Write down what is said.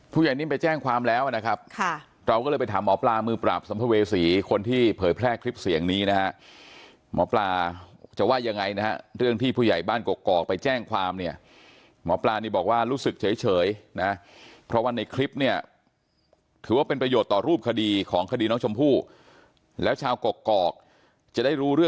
นิ่มไปแจ้งความแล้วนะครับค่ะเราก็เลยไปถามหมอปลามือปราบสัมภเวษีคนที่เผยแพร่คลิปเสียงนี้นะฮะหมอปลาจะว่ายังไงนะฮะเรื่องที่ผู้ใหญ่บ้านกกอกไปแจ้งความเนี่ยหมอปลานี่บอกว่ารู้สึกเฉยนะเพราะว่าในคลิปเนี่ยถือว่าเป็นประโยชน์ต่อรูปคดีของคดีน้องชมพู่แล้วชาวกกอกจะได้รู้ร